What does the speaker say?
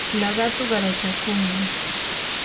laqatu qarachakunmi.